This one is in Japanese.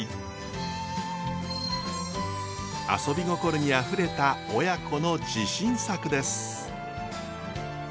遊び心にあふれた親子の自信作です。